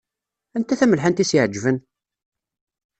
Anta tamelḥant i s-iɛeǧben?